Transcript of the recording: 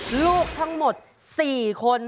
ลูกทั้งหมด๔คน